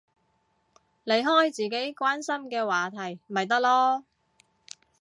你開自己關心嘅話題咪得囉